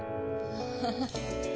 ハハハ。